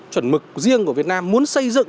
chuẩn mực riêng của việt nam muốn xây dựng